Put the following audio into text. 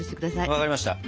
分かりました。